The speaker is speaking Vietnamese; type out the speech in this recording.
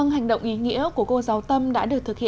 hành động ý nghĩa của cô giáo tâm đã được